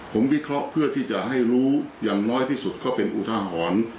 ผมวิเคราะห์เพื่อที่จะให้รู้อย่างน้อยที่สุดก็เป็นอุทาหรณ์